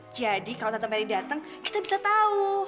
jadi kalau tante merry datang kita bisa tahu